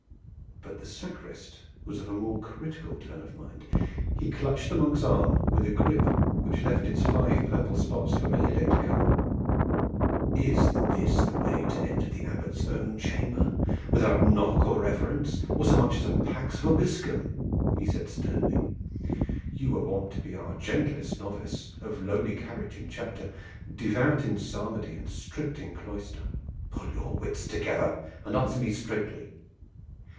But the sacrist was of a more critical turn of mind. He clutched the monk's arm with a grip which left its five purple spots for many a day to come. "Is this the way to enter the Abbot's own chamber, without knock or reverence, or so much as a 'Pax vobiscum'?" said he sternly. "You were wont to be our gentlest novice, of lowly carriage in chapter, devout in psalmody and strict in the cloister. Pull your wits together and answer me straightly.